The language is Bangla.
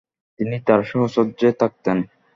তিনি তার সহচর্যে থাকেন।